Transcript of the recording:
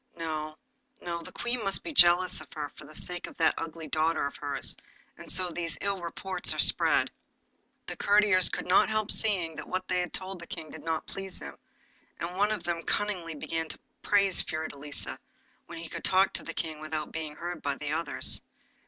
No, no, the Queen must be jealous of her for the sake of that ugly daughter of hers, and so these evil reports are spread.' The courtiers could not help seeing that what they had told the King did not please him, and one of them cunningly began to praise Fiordelisa, when he could talk to the King without being heard by the others.